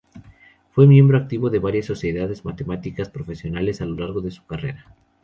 Fue miembro activo de varias sociedades matemáticas profesionales a lo largo de su carrera.